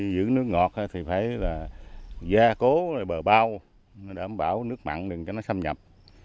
giữ nước ngọt thì phải là gia cố bờ bao đảm bảo nước mặn đừng cho nó xâm nhập